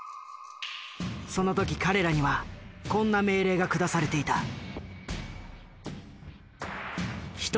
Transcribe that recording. その時彼らにはこんな命令が下されていた。